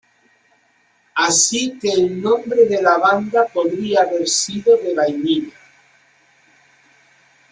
Así que el nombre de la banda podría haber sido de Vainilla.